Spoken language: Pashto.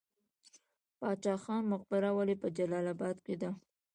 باچا خان مقبره ولې په جلال اباد کې ده؟